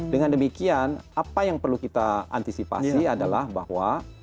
dengan demikian apa yang perlu kita antisipasi adalah bahwa